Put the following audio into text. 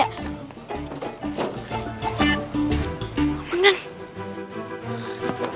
nah ke sini enggak